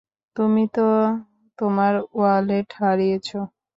তুমি তো তোমার ওয়ালেট হারিয়েছ।